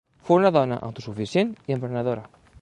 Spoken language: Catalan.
Fou una dona autosuficient i emprenedora.